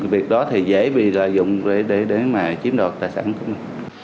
việc đó thì dễ bị lợi dụng để mà chiếm đoạt tài sản của mình